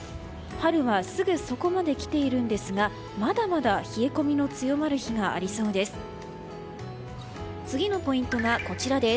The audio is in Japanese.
春はすぐそこまで来ていますがまだまだ冷え込みの強まる日がありそうです。